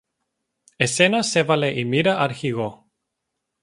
Εσένα σ' έβαλε η μοίρα αρχηγό.